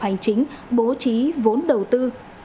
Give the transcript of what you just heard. hành chính bố trí vốn đầu tư